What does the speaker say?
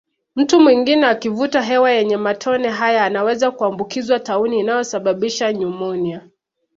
Mtu mwingine akivuta hewa yenye matone haya anaweza kuambukizwa tauni inayosababisha nyumonia